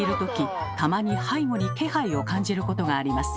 たまに背後に気配を感じることがあります。